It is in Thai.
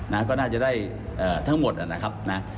นะฮะก็น่าจะได้เอ่อทั้งหมดน่ะนะครับนะฮะ